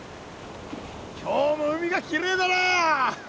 今日も海がきれいだな！